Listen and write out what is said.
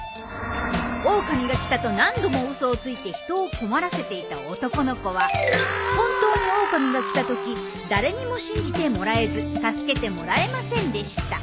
オオカミが来たと何度も嘘をついて人を困らせていた男の子は本当にオオカミが来たとき誰にも信じてもらえず助けてもらえませんでした。